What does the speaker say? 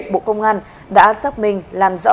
bộ công an đã sắp mình làm rõ